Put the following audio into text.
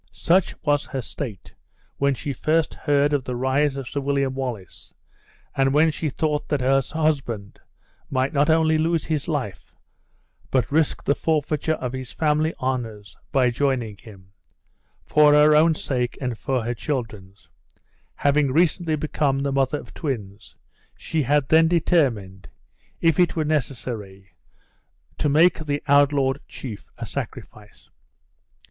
Such was her state, when she first heard of the rise of Sir William Wallace, and when she thought that her husband might not only lose his life, but risk the forfeiture of his family honors, by joining him, for her own sake and for her children's (having recently become the mother of twins), she had then determined, if it were necessary, to make the outlawed chief a sacrifice.